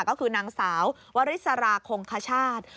ก็คือนางสาววริสราคงคชาติ